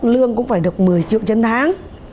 lương cũng phải được một mươi triệu trên tháng